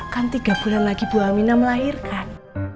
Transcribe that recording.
kan tiga bulan lagi bu aminah melahirkan